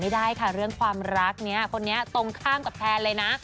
ได้ค่ะเรื่องความรักเนี่ยคนนี้ตรงข้ามกับแพนเลยนะ